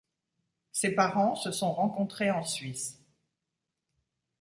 Ses parents se sont rencontrés en Suisse.